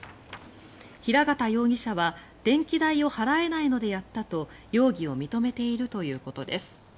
平形容疑者は電気代を払えないのでやったと容疑を認めているということです。